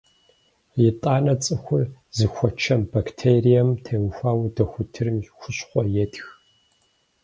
Итӏанэ цӏыхур зыхуэчэм бактерием теухуауэ дохутырым хущхъуэ етх.